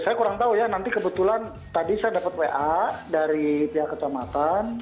saya kurang tahu ya nanti kebetulan tadi saya dapat wa dari pihak kecamatan